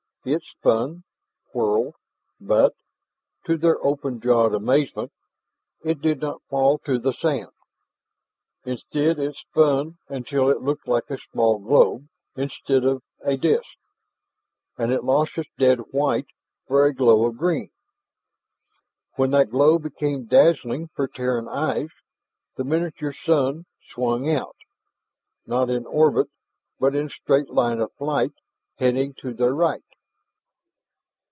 It spun, whirled, but to their open jawed amazement it did not fall to the sand. Instead it spun until it looked like a small globe instead of a disk. And it lost its dead white for a glow of green. When that glow became dazzling for Terran eyes the miniature sun swung out, not in orbit but in straight line of flight, heading to their right.